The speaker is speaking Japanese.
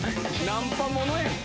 ナンパものやん。